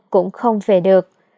cũng không về được